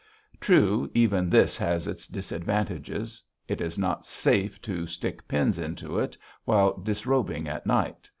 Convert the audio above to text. True, even this has its disadvantages. It is not safe to stick pins into it while disrobing at night.